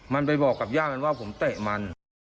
มันไปบอกกับญาติมันว่าผมเตะมัน